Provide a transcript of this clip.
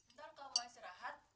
ntar kamu masih rahat